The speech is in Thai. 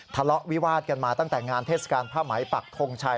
ทะเลาะวิวาดกันมาตั้งแต่งานเทศกาลผ้าไหมปักทงชัย